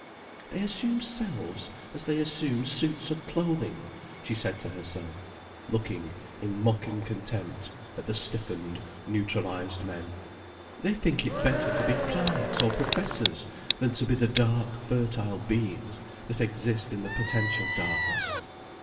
"They assume selves as they assume suits of clothing," she said to herself, looking in mocking contempt at the stiffened, neutralized men. "They think it better to be clerks or professors than to be the dark, fertile beings that exist in the potential darkness.